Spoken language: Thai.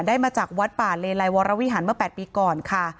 ได้มาจากวัดป่าเลลัยวรวิหันต์เมื่อ๘ปีก่อนค่ะ